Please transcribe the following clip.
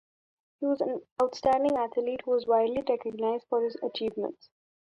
He was an outstanding athlete who was widely recognized for his achievements.